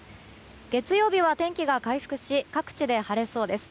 月曜日は天気が回復し各地で晴れそうです。